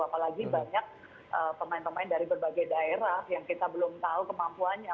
apalagi banyak pemain pemain dari berbagai daerah yang kita belum tahu kemampuannya